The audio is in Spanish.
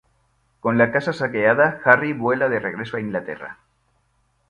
Con la casa saqueada, Harry vuela de regreso a Inglaterra.